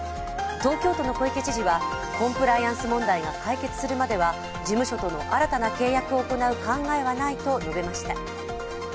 東京都の小池知事はコンプライアンス問題が解決するまでは事務所との新たな契約を行う考えはないと述べました。